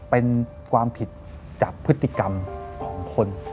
เป็นความผิดจากพฤติกรรมของคน